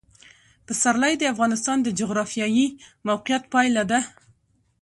پسرلی د افغانستان د جغرافیایي موقیعت پایله ده.